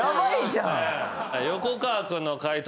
横川君の解答